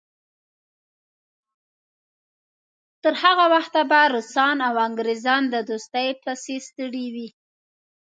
تر هغه وخته به روسان او انګریزان د دوستۍ پسې ستړي وي.